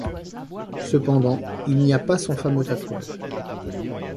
Cependant, il n'y a pas son fameux tatouage.